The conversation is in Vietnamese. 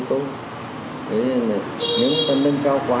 tuy nhiên là nếu chúng ta nâng cao quá